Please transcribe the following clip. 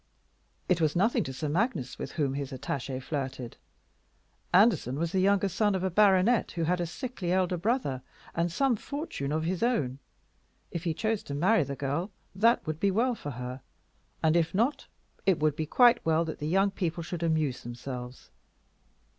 It was nothing to Sir Magnus with whom his attaché flirted. Anderson was the younger son of a baronet who had a sickly elder brother, and some fortune of his own. If he chose to marry the girl, that would be well for her; and if not, it would be quite well that the young people should amuse themselves.